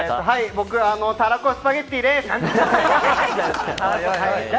僕は、たらこスパゲッティです！